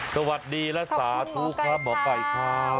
สวัสดีและสาธุครับหมอไก่ครับ